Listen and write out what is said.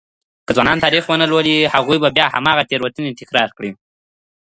که ځوانان تاريخ ونه لولي، هغوی به بيا هماغه تېروتني تکرار کړي.